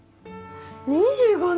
２５年？